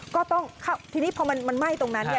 ก็ต้องเข้าทีนี้พอมันไหม้ตรงนั้น